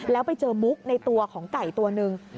แล้วไปเจอมุกในตัวของไก่ตัวหนึ่ง